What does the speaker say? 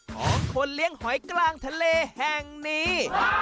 ของคนเลี้ยงหอยกลางทะเลแห่งนี้